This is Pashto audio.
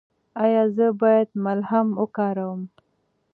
ایا زه باید ملهم وکاروم؟